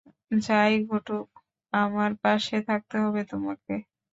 যাই ঘটুক, আমার পাশে থাকতে হবে তোমাকে!